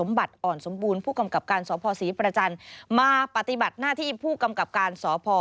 มาปฏิบัติหน้าที่ผู้กำกับการ